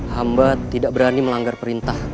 hamba tidak berani melanggar perintah